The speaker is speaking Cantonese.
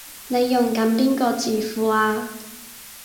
你用緊邊個字庫啊？